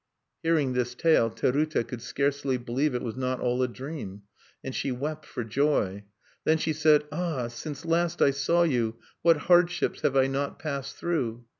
Hearing this tale, Terute could scarcely believe it was not all a dream, and she wept for joy. Then she said: "Ah! since last I saw you, what hardships have I not passed through!